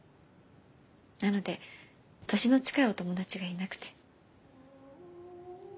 なので年の近いお友達がいなくて。